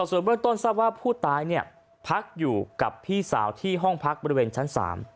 ส่วนเบื้องต้นทราบว่าผู้ตายพักอยู่กับพี่สาวที่ห้องพักบริเวณชั้น๓